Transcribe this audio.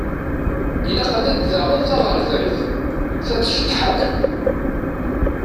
Ilaq ad d-taɣeḍ taɣerdayt, ta tceṭṭeḥ akk.